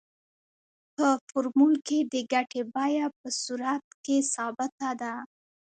په فورمول کې د ګټې بیه په صورت کې ثابته ده